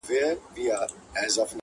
تر شا خلک دلته وېره د زمري سوه؛